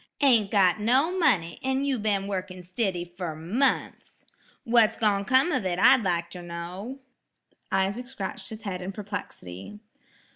"Ain't got no money, an' you been wurkin' stiddy fer munfs! What's gone come of it I'd like ter know." Isaac scratched his head in perplexity.